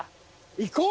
行こう！